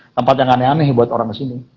tempat yang aneh aneh buat orang kesini